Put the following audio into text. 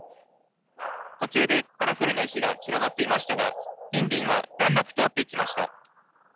途中でカラフルな石が散らばっていましたがインディンは難なく通っていきました。